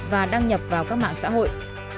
và đăng nhập vào các mạng xã hội